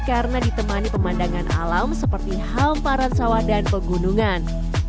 karena ditemani pemandangan alam seperti halm paran sawah dan pegunungan